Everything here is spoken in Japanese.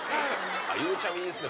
ゆうちゃみいいですね